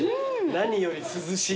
何より涼しい。